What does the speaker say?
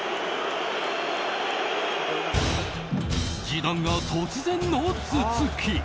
ジダンが突然の頭突き！